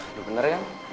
udah bener ya